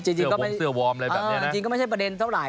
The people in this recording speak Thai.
หรือเสื้อวอร์มเลยแบบนี้นะจริงก็ไม่ใช่ประเด็นเท่าอะไร